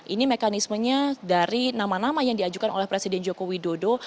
ini mekanismenya dari nama nama yang diajukan oleh presiden joko widodo